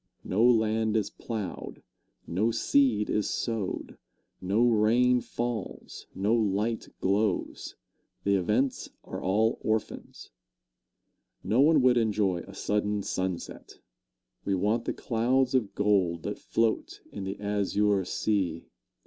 No land is plowed, no seed is sowed, no rain falls, no light glows the events are all orphans. No one would enjoy a sudden sunset we want the clouds of gold that float in the azure sea.